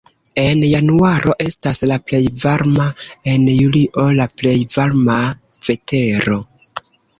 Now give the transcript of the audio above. En januaro estas la plej varma, en julio la plej malvarma vetero.